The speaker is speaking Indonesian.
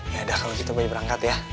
ya udah kalau gitu boy berangkat ya